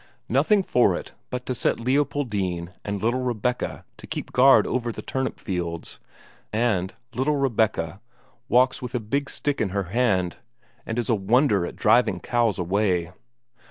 Nothing for it but to set Leopoldine and little Rebecca to keep guard over the turnip fields, and little Rebecca walks about with a big stick in her hand and is a wonder at driving cows away.